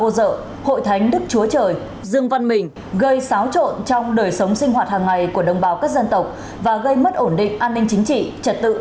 xin chào và hẹn gặp lại trong các bộ phim tiếp theo